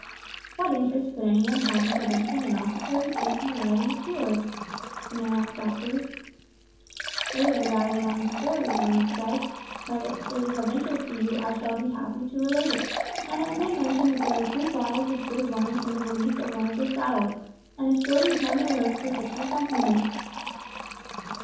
"What interest could anyone have in preventing an officer of the king from arriving at Tours?" the man asked doubtfully. "It is rather a long story," Ronald said, "but if it is of interest to you I shall be happy to relate it; and I may mention that there are three bottles of good wine in the valise of one of the saddles, and a story is none the worse for such an accompaniment."